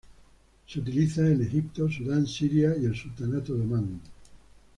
Es utilizada en Egipto, Sudan, Siria y el Sultanato de Omán.